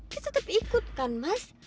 dia tetap ikutkan mas